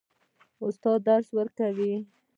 استاد درس ورکوي.